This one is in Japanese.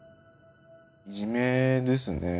いじめですね。